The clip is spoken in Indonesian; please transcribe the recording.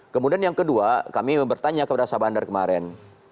kemudian yang kedua kami bertanya kepada syah bandar kemarin